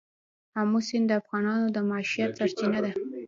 آمو سیند د افغانانو د معیشت سرچینه ده.